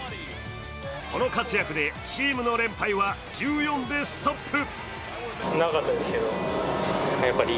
この活躍でチームの連敗は１４でストップ。